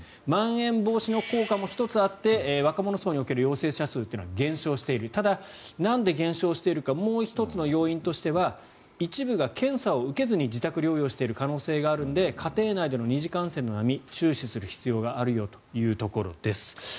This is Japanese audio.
まん延防止の効果も１つ、あって若者層における陽性者数は減少しているただ、なんで減少しているかもう１つの要因としては一部が検査を受けずに自宅療養している可能性があるので家庭内での二次感染の波注視する必要があるというところです。